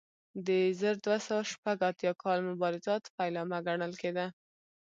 د زر دوه سوه شپږ اتیا کال مبارزات پیلامه ګڼل کېده.